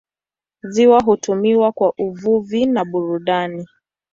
Ziwa hutumiwa kwa uvuvi na burudani.